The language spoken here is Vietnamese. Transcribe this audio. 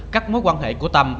các mối quan hệ của tâm